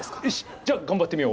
じゃあ頑張ってみよう！